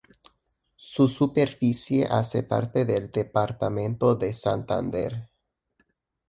Su superficie hace parte del departamento de Santander.